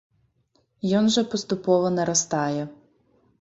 Ён жа паступова нарастае.